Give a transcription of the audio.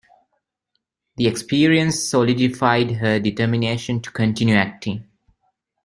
The experience solidified her determination to continue acting.